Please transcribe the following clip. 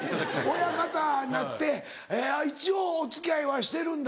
親方になって一応お付き合いはしてるんだ？